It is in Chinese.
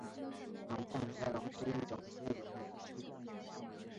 麻将接龙是一种接龙游戏。